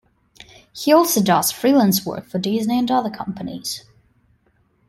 He also does freelance work for Disney and other companies.